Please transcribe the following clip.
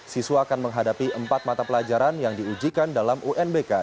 siswa akan menghadapi empat mata pelajaran yang diujikan dalam unbk